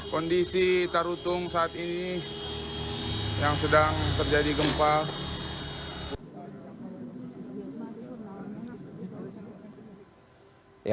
kondisi tarutung saat ini yang sedang terjadi gempa